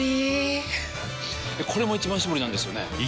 これも「一番搾り」なんですよね